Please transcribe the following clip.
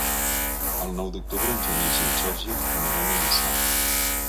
El nou d'octubre en Genís i en Sergi aniran a Lluçà.